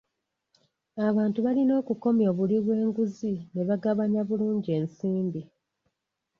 Abantu balina okukomya obuli bw'enguzi ne bagabanya bulungi ensimbi.